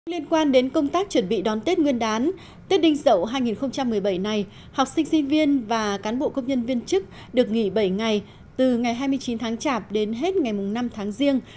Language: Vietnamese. liên quan đến công tác chuẩn bị đón tết nguyên đán tết đinh dậu hai nghìn một mươi bảy này học sinh sinh viên và cán bộ công nhân viên chức được nghỉ bảy ngày từ ngày hai mươi chín tháng chạp đến hết ngày năm tháng riêng